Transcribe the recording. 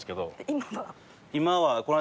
今は？